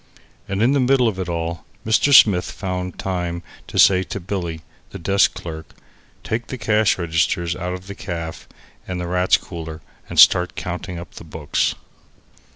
And in the middle of it all, Mr. Smith found time to say to Billy, the desk clerk: "Take the cash registers out of the caff and the Rats' Cooler and start counting up the books."